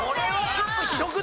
ちょっと。